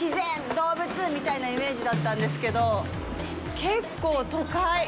動物！みたいなイメージだったんですけど、結構、都会！